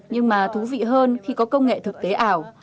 nhưng mà thú vị hơn khi có công nghệ thực tế ảo